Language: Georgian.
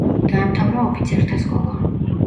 დაამთავრა ოფიცერთა სკოლა.